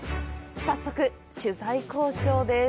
早速、取材交渉です！